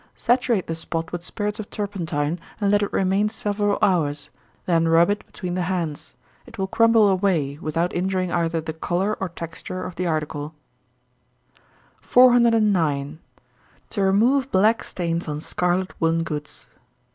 _ Saturate the spot with spirits of turpentine, and let it remain several hours, then rub it between the hands. It will crumble away, without injuring either the color or texture of the article. 409. _To remove Black Stains on Scarlet Woollen Goods.